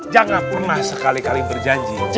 jangan pernah sekali kali berjanji